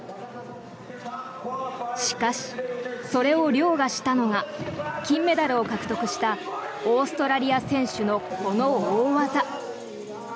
しかし、それを凌駕したのが金メダルを獲得したオーストラリア選手のこの大技。